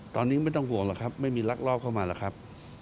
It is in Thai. ตอนนี้ไม่ต้องห่วงหรอกครับไม่มีลักลอบเข้ามาหรอกครับ